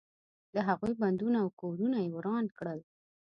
د هغوی بندونه او کورونه یې وران کړل.